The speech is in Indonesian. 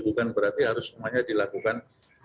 bukan berarti harus semuanya dilakukan